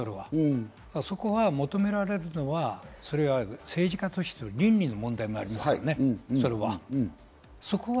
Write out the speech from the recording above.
そこが求められるのは政治家としての倫理の問題もありますからね、それは。